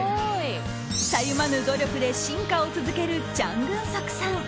たゆまぬ努力で進化を続けるチャン・グンソクさん。